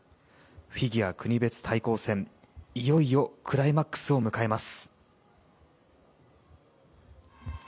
フィギュア国別対抗戦、いよいよクライマックスを迎えます。